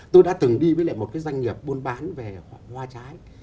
tôi đã từng đi với lại một cái doanh nghiệp buôn bán về hoa trái